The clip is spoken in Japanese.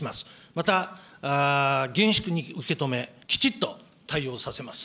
また、厳粛に受け止め、きちっと対応させます。